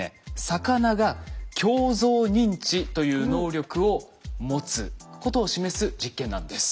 魚が鏡像認知という能力を持つことを示す実験なんです。